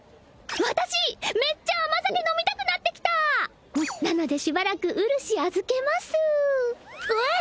私めっちゃ甘酒飲みたくなってきたなのでしばらくうるし預けますえっ！？